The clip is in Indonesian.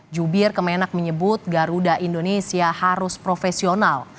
jubir kemenak menyebut garuda indonesia harus profesional